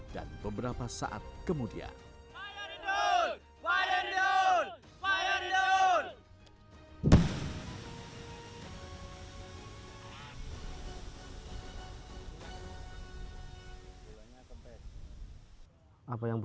dan beberapa saat kemudian